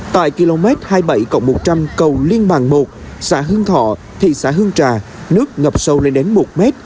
tại km hai mươi bảy một trăm linh cầu liên bàng một xã hương thọ thị xã hương trà nước ngập sâu lên đến một mét